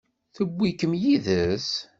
Tewwi-kem yid-s?